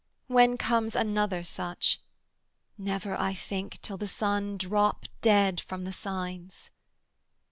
When comes another such? never, I think, Till the Sun drop, dead, from the signs.'